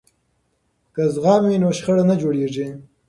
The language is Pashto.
که زغم وي نو شخړه نه جوړیږي.